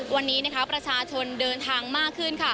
วันนี้ประชาชนเดินทางมากขึ้น